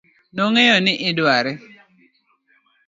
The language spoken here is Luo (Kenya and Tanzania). nong'eyo ni idware